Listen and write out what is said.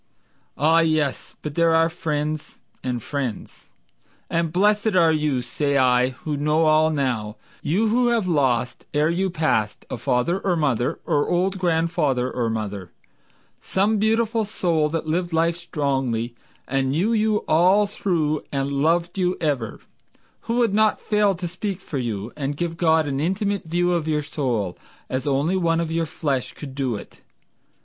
Ah, yes! but there are friends and friends. And blessed are you, say I, who know all now, You who have lost ere you pass, A father or mother, or old grandfather or mother Some beautiful soul that lived life strongly And knew you all through, and loved you ever, Who would not fail to speak for you, And give God an intimate view of your soul As only one of your flesh could do it.